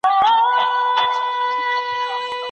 شاعر په خپله سندره کې د ژوند د تېرېدو احساس کوي.